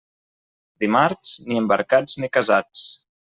Dimarts, ni embarcats ni casats.